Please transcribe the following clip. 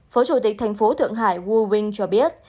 phó chủ tịch thành phố thượng hải wu wing cho biết